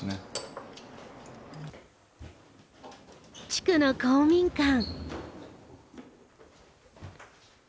地区の公民館。